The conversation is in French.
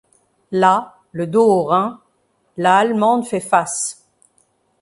Là, le dos au Rhin, la Allemande fait face.